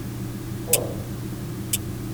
— Готи.